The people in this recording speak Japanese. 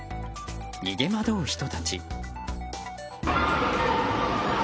逃げ惑う人たち。